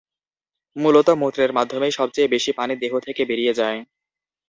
মূলতঃ মূত্রের মাধ্যমেই সবচেয়ে বেশি পানি দেহ থেকে বের হয়ে যায়।